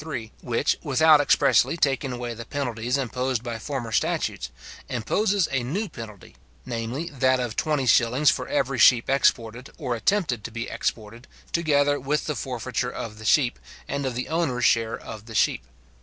3, which, without expressly taking away the penalties imposed by former statutes, imposes a new penalty, viz. that of 20s. for every sheep exported, or attempted to be exported, together with the forfeiture of the sheep, and of the owner's share of the sheep.